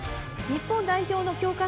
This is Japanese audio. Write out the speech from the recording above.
日本代表の強化